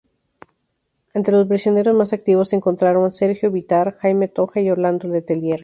Entre los prisioneros más activos se encontraban Sergio Bitar, Jaime Tohá y Orlando Letelier.